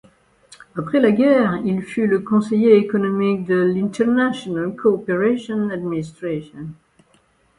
Après la guerre, il fut le conseiller économique de l'International Cooperation Administration.